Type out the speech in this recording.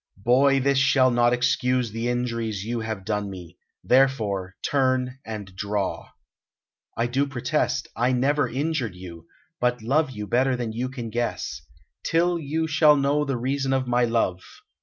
"Boy, this shall not excuse the injuries you have done me. Therefore turn and draw." "I do protest, I never injured you, but love you better than you can guess, till you shall know the reason of my love.